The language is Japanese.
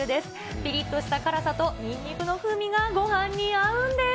ぴりっとした辛さとニンニクの風味がごはんに合うんです。